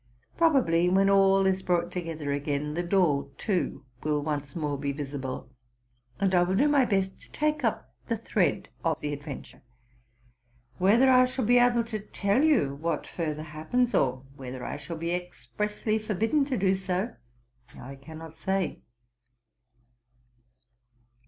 Probably, when all is brought together again, the door, too, will once more be visible; and I will do my best to take up the thread of the adventure. Whether I shall be able to tell you what further happens, or whether I shall be expressly forbidden to do so, I cannot say.